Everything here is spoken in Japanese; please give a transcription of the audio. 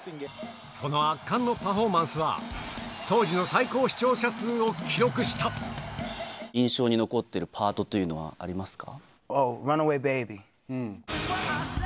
その圧巻のパフォーマンスは、印象に残ってるパートというのはありますか？